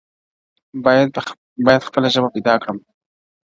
بايد خپله ژبه پيدا کړي